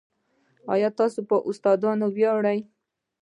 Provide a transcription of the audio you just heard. ایا ستاسو استادان ویاړي؟